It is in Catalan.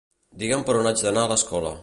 Digue'm per on haig d'anar l'escola.